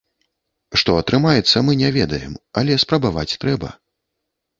Што атрымаецца, мы не ведаем, але спрабаваць трэба.